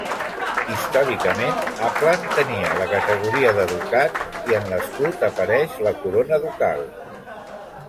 Històricament Uppland tenia la categoria de ducat i en l'escut apareix la corona ducal.